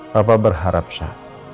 papa berharap sa